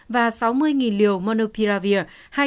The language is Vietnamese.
và sáu mươi liều monopiravir